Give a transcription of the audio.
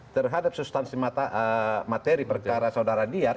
terhadap substansi materi perkara saudara diyar